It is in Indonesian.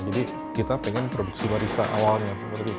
jadi kita pengen produksi barista awalnya